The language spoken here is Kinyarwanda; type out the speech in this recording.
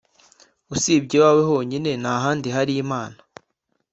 «usibye iwawe honyine, nta handi hari imana;